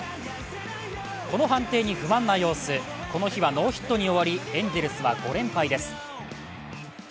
この判定に不満な様子、この日はノーヒットに終わりエンゼルスは５連敗です。